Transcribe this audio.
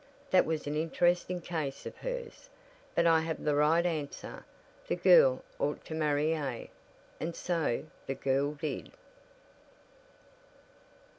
That was an interesting case of hers. But I gave the right answer; the girl ought to marry A." And so the girl did.